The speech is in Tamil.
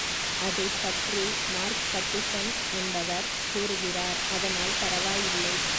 அதைப் பற்றி மார்க் பட்டிசன் என்பவர் கூறுகிறார் அதனால் பரவாயில்லை!.